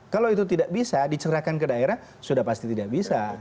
kalau itu tidak bisa dicerahkan ke daerah sudah pasti tidak bisa